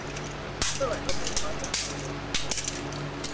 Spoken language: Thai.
เมื่อไหร่รถไฟฟ้าความเร็วสูงจะเสร็จสักที